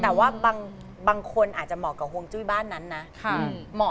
แต่ว่าบางคนอาจจะเหมาะกับห่วงจุ้ยบ้านนั้นนะ